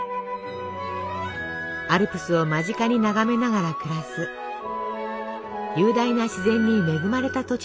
アルプスを間近に眺めながら暮らす雄大な自然に恵まれた土地なんです。